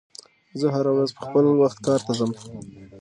زه هره ورځ په خپل وخت کار ته ځم.